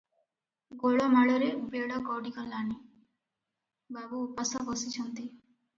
ଗୋଳମାଳରେ ବେଳ ଗଡିଗଲାଣି, ବାବୁ ଉପାସ ବସିଛନ୍ତି ।